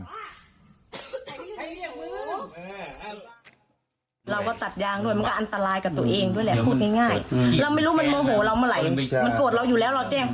เราก็ตัดยางด้วยมันก็อันตรายกับตัวเองด้วยแหละพูดง่ายเราไม่รู้มันโมโหเราเมื่อไหร่มันโกรธเราอยู่แล้วเราแจ้ง